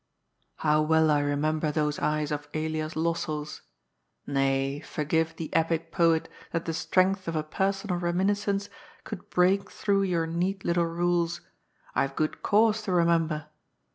How well I remember those eyes of Elias Lossell's— nay, forgive the epic poet that the strength of a personal remi niscence should break through your neat little rules — I have good cause to remember.